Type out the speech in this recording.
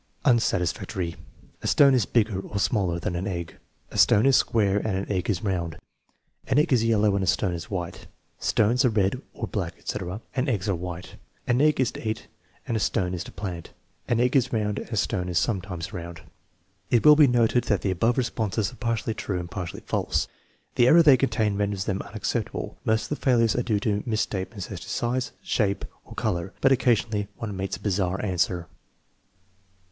Unsatisfactory. "A stone is bigger (or smaller) than an egg/' "A stone is square and an egg is round." " An egg is yellow and a stone is white." "Stones are red (or black, etc.) and eggs are white." "An egg is to eat and a stone is to plant." "An egg is round and a stone is sometimes round." It will be noted that the above responses are partly true and partly false. The error they contain renders them unacceptable. Most of the failures are due to misstatements as to size, shape, or color, but occasionally one meets a bizarre answer.